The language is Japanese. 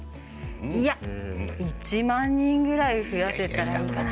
いや、１万人ぐらい増やせたらいいかな。